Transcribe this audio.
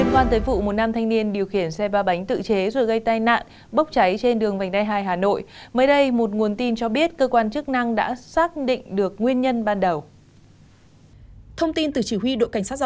các bạn hãy đăng ký kênh để ủng hộ kênh của chúng mình nhé